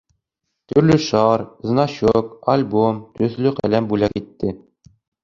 Төрлө шар, значок, альбом, төҫлө ҡәләм бүләк итте.